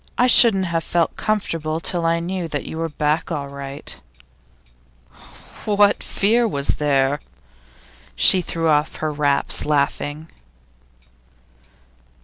'I shouldn't have felt comfortable till I knew that you were back all right.' 'What fear was there?' She threw off her wraps, laughing.